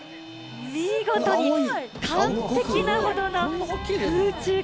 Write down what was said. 見事に完璧なほどの空中影